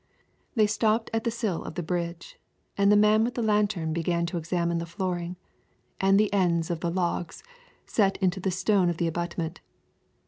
They stopped at the sill of the bridge, and the man with the lantern began to examine the flooring and the ends of the logs set into the stone of the abutment.